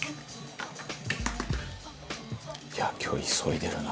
「いや今日急いでるな」